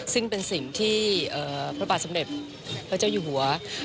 ซึ่งเป็นสิ่งที่พระบาทสมเด็จพระเจ้าอยู่หัว